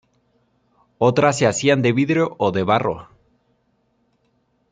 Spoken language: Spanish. Otras se hacían de vidrio o de barro.